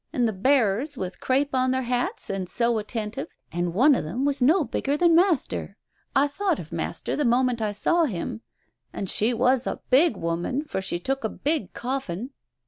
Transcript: and the bearers with crape on their hats and so attentive, and one of them was no bigger than Master. ... I thought of Master the moment I saw him. ... And she was a big woman, for she took a big coffin. ..."